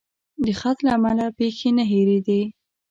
د خط له امله پیښې نه هېرېدې.